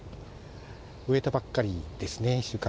植えたばっかりですね、１週間。